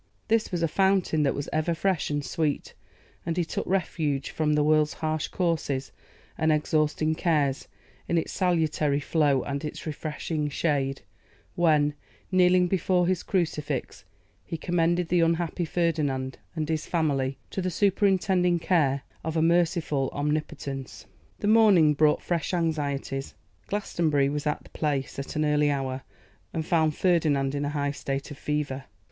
This was a fountain that was ever fresh and sweet, and he took refuge from the world's harsh courses and exhausting cares in its salutary flow and its refreshing shade, when, kneeling before his crucifix, he commended the unhappy Ferdinand and his family to the superintending care of a merciful Omnipotence. The morning brought fresh anxieties. Glastonbury was at the Place at an early hour, and found Ferdinand in a high state of fever.